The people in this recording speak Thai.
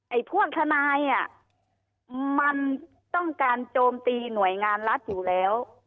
พวกทนายอ่ะมันต้องการโจมตีหน่วยงานรัฐอยู่แล้ว